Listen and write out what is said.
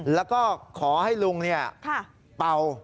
แล้วก็ขอให้ลุงเป่า